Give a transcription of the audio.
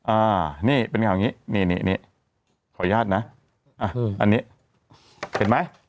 อ่านี่เป็นข่าวอย่างงี้นี่นี่ขออนุญาตนะอันนี้เห็นไหม